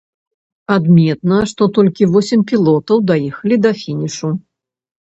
Адметна, што толькі восем пілотаў даехалі да фінішу.